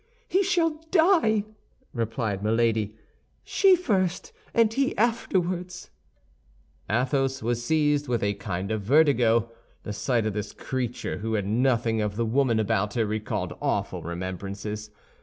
"He shall die!" replied Milady; "she first, and he afterward." Athos was seized with a kind of vertigo. The sight of this creature, who had nothing of the woman about her, recalled awful remembrances.